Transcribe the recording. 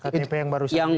ktp yang barusan